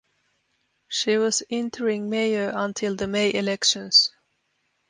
She was interim mayor until the May elections.